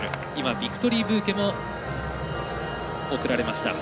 ビクトリーブーケも贈られました。